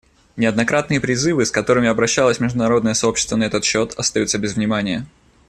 Неоднократные призывы, с которыми обращалось международное сообщество на этот счет, остаются без внимания.